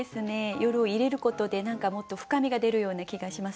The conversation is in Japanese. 「夜」を入れることで何かもっと深みが出るような気がします。